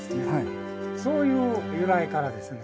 そういう由来からですね